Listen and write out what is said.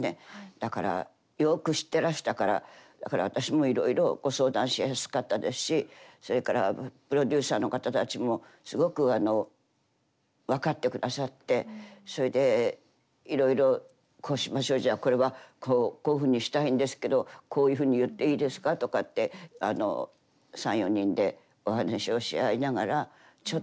だからよく知ってらしたからだから私もいろいろご相談しやすかったですしそれからプロデューサーの方たちもすごく分かってくださってそれでいろいろこうしましょうじゃあこれはこういうふうにしたいんですけどこういうふうに言っていいですか？とかって３４人でお話をし合いながらちょっと変えさせていただいたり。